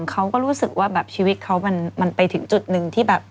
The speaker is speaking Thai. เขาก็รู้สึกว่าแบบชีวิตเขามันไปถึงจุดหนึ่งที่แบบ